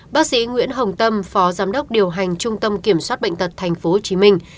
bác sĩ nguyễn hồng tâm phó giám đốc điều hành trung tâm kiểm soát bệnh tật tp hcm